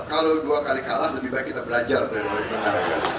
kalau dua kali kalah lebih baik kita belajar dari menang